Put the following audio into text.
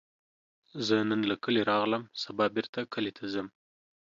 زه نن له کلي راغلم، سبا بیرته کلي ته ځم